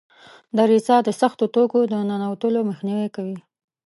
دریڅه د سختو توکو د ننوتلو مخنیوی کوي.